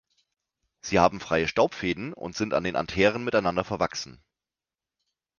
Sie haben freie Staubfäden und sind an den Antheren miteinander verwachsen.